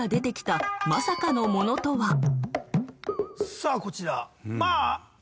さあこちら。